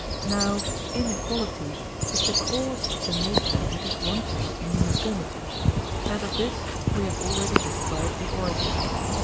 Now inequality is the cause of the nature which is wanting in uniformity; and of this we have already described the origin.